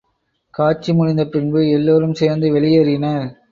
காட்சிமுடிந்த பின்பு எல்லோரும் சேர்ந்து வெளியேறினர்.